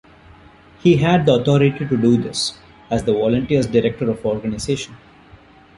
He had the authority to do this, as the Volunteers' Director of Organisation.